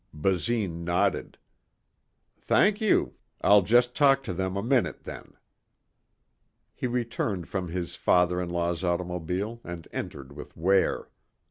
Basine nodded. "Thank you. I'll just talk to them a minute then." He returned from his father in law's automobile and entered with Ware.